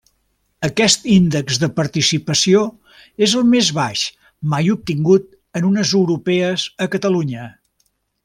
Aquest índex de participació és el més baix mai obtingut en unes europees a Catalunya.